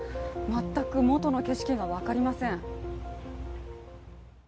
全く元の景色が分かりません。